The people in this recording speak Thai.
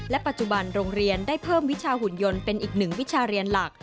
ปัจจุบันโรงเรียนได้เพิ่มวิชาหุ่นยนต์เป็นอีกหนึ่งวิชาเรียนหลัก